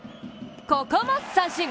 ここも三振！